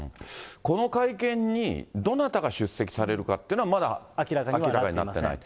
この会見にどなたが出席されるかというのはまだ明らかにはなってない？